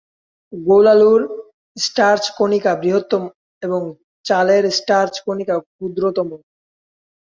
গোল আলুর স্টার্চ কণিকা বৃহত্তম এবং চালের স্টার্চ কণিকা ক্ষুদ্রতম।